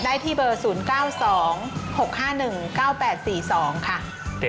ได้ที่เบอร์๐๙๒๖๕๑๙๘๔๒ค่ะ